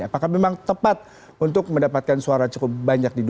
apakah memang tepat untuk mendapatkan suara cukup banyak di dua ribu dua puluh empat